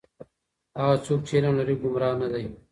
هغه څوک چې علم لري گمراه نه دی.